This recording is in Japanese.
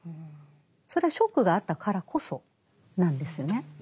それはショックがあったからこそなんですよね。